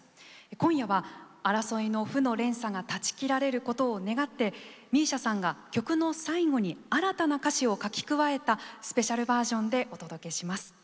今夜は争いの負の連鎖が断ち切られることを願ってＭＩＳＩＡさんが曲の最後に新たな歌詞を書き加えたスペシャルバージョンでお届けします。